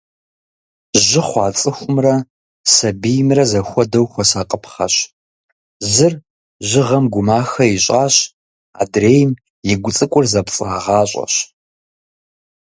Жьы хъуа цӏыхумрэ, сэбиймрэ, зэхуэдэу хуэсакъыпхъэщ. Зыр жьыгъэм гумахэ ищӏащ, адрейм игу цӏыкӏур зэпцӏагъащӏэщ.